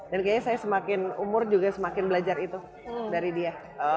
dan kayaknya saya semakin umur juga semakin belajar itu dari dia